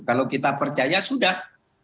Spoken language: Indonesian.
kalau kita percaya sudah